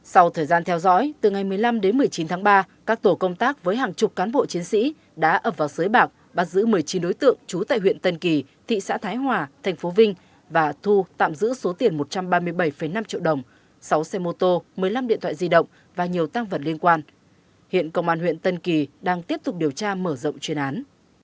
sau thời gian theo dõi từ ngày một mươi năm đến một mươi chín tháng ba các tổ công tác với hàng chục cán bộ chiến sĩ đã ập vào sới bạc bắt giữ một mươi chín đối tượng trú tại huyện tân kỳ thị xã thái hòa thành phố vinh và thu tạm giữ số tiền một trăm ba mươi bảy năm triệu đồng sáu xe mô tô một mươi năm điện thoại di động và nhiều tăng vật liên quan hiện công an huyện tân kỳ đang tiếp tục điều tra mở rộng chuyên án